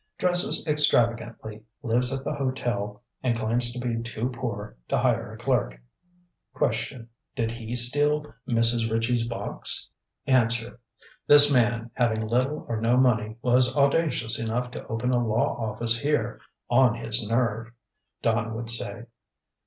Dresses extravagantly, lives at the hotel and claims to be too poor to hire a clerk. "Question: Did he steal Mrs. Ritchie's box? "Answer: This man, having little or no money, was audacious enough to open a law office here 'on his nerve,' Don would say.